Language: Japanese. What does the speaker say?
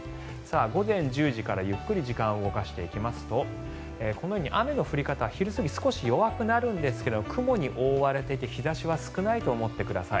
午前１０時から、ゆっくり時間を動かしていきますとこのように雨の降り方は昼過ぎ少し弱くなるんですが雲に覆われていて日差しは少ないと思ってください。